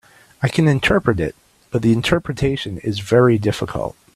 I can interpret it, but the interpretation is very difficult.